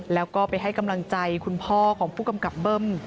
แล้วก็ไปให้กำลังใจคุณพ่อของผู้กำกับเบิ้ม